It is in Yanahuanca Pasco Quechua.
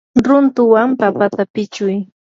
runtuwan papata pichuy.